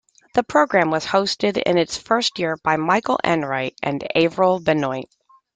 The program was hosted in its first year by Michael Enright and Avril Benoit.